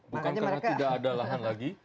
bukan karena tidak ada lahan lagi